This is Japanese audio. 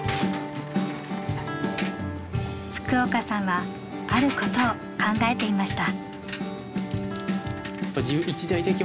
福岡さんはあることを考えていました。